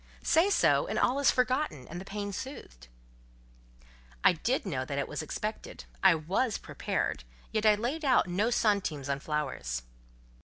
Say so, and all is forgotten, and the pain soothed." "I did know that it was expected: I was prepared; yet I laid out no centimes on flowers."